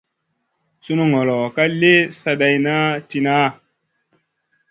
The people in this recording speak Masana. Sunu ŋolo ka lì zadaina tìnaha.